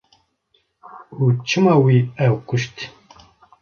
Û çima wî ew kuşt?